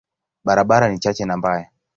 Barabara ni chache na mbaya.